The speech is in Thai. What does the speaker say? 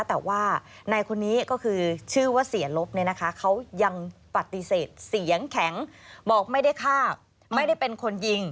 แต่ว่าในคนนี้ก็คือชื่อว่าเสียลบเนี่ยนะคะเขายังปฏิเสธเสียงแข็งบอกไม่ได้ฆ่าไม่ได้เป็นคนยิง